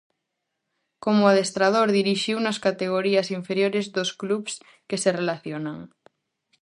Como adestrador, dirixiu nas categorías inferiores dos clubs que se relacionan: